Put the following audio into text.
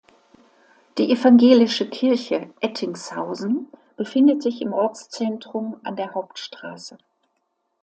Die Evangelische Kirche Ettingshausen befindet sich im Ortszentrum an der Hauptstraße.